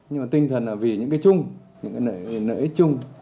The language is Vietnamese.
nhưng mà tinh thần là vì những cái chung những cái nợ ích chung